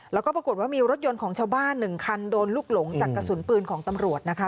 แล้วก็ปรากฏว่ามีรถยนต์ของชาวบ้าน๑คันโดนลูกหลงจากกระสุนปืนของตำรวจนะคะ